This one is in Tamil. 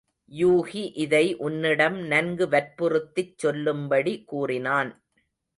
யூகி இதை உன்னிடம் நன்கு வற்புறுத்திச் சொல்லும்படி கூறினான்.